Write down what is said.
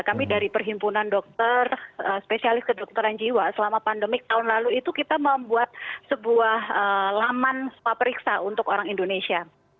kami dari perhimpunan dokter spesialis kedokteran jiwa selama pandemik tahun lalu itu kita membuat sebuah laman spa periksa untuk orang indonesia